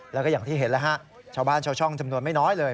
แล้วก็อย่างที่เห็นแล้วฮะชาวบ้านชาวช่องจำนวนไม่น้อยเลย